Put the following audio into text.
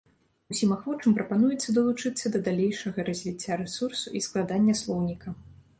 Усім ахвочым прапануецца далучыцца да далейшага развіцця рэсурсу і складання слоўніка.